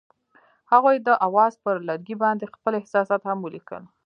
هغوی د اواز پر لرګي باندې خپل احساسات هم لیکل.